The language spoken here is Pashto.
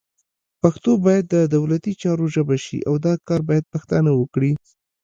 پښتو باید د دولتي چارو ژبه شي، او دا کار باید پښتانه وکړي